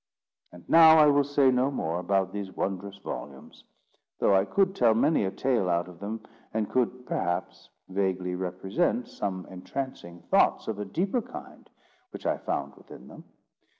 And now I will say no more about these wondrous volumes; though I could tell many a tale out of them, and could, perhaps, vaguely represent some entrancing thoughts of a deeper kind which I found within them.